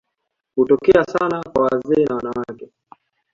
Hutokea sana kwa wazee na wanawake.